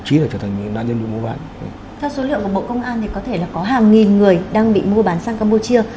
có thể là có hàng nghìn người đang bị mua bán sang campuchia